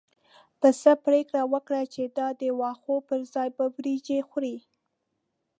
پسه پرېکړه وکړه چې د واښو پر ځای به وريجې خوري.